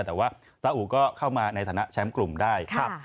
แต่ว่าซาอุก็เข้ามาในฐานะแชมป์กลุ่มได้